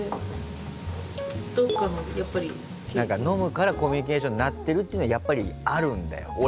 飲むからコミュニケーションになってるっていうのはやっぱりあるんだよ。